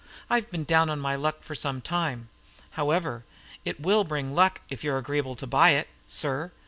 "I've been down on my luck for some time. However, it will bring luck if you're agreeable to buy it, sir.